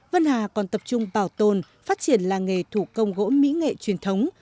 vân hà còn tập trung bảo tồn phát triển làng nghề thủ công gỗ mỹ nghệ truyền thống